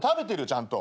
ちゃんと。